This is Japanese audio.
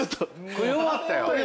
食い終わったよ。